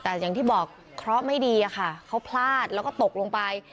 แต่อย่างที่บอกเคราะห์ไม่ดีอะค่ะเขาพลาดแล้วก็ตกลงไป